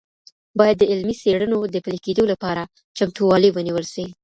باید د علمي څیړنو د پلي کيدو لپاره چمتووالی ونیول سي.